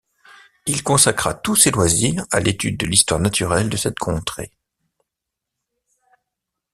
Il consacra tous ses loisirs à l'étude de l'histoire naturelle de cette contrée.